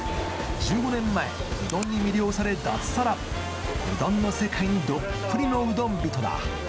１５年前うどんに魅了され脱サラうどんの世界にどっぷりのうどん人だ